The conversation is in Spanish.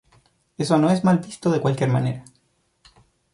Eso no es mal visto de cualquier manera.